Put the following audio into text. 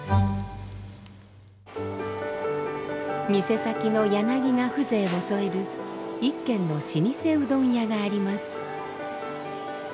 店先の柳が風情を添える一軒の老舗うどん屋があります。